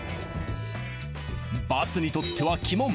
バスにとっては鬼門。